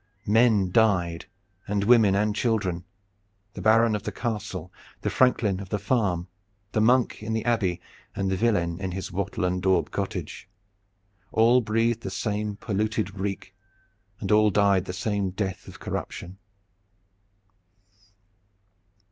Men died, and women and children, the baron of the castle, the franklin on the farm, the monk in the abbey and the villein in his wattle and daub cottage. All breathed the same polluted reek and all died the same death of corruption.